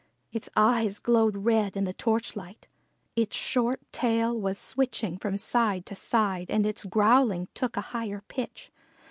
Its eyes glowed red in the torchlight. Its short tail was switching from side to side and its growling took a higher pitch.